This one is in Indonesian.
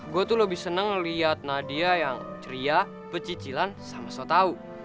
gue tuh lebih seneng liat nadia yang ceria pecicilan sama sotau